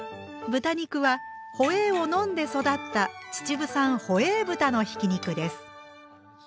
豚肉はホエーを飲んで育った秩父産ホエー豚のひき肉です。